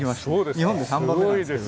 日本で３番目です。